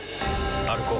歩こう。